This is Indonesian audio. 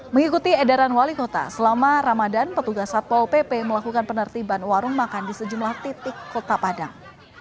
mengikuti edaran wali kota selama ramadan petugas satpol pp melakukan penertiban warung makan di sejumlah titik kota padang